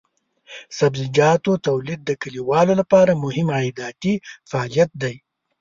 د سبزیجاتو تولید د کليوالو لپاره مهم عایداتي فعالیت دی.